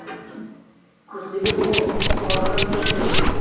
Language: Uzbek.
Kursiga u horg‘in cho‘kdi.